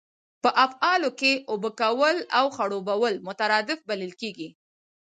په افعالو کښي اوبه کول او خړوبول مترادف بلل کیږي.